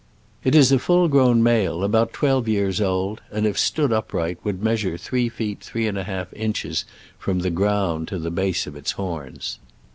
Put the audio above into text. It is a full grown male about twelve years old, and if it stood upright would measure three feet three and a half inches from the ground to the base of its horns.